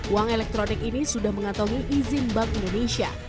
uang elektronik ini sudah mengantongi izin bank indonesia